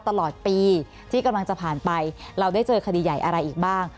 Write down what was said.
ตลอดปีที่กำลังจะผ่านไปเราได้เจอคดีใหญ่อะไรอีกบ้าง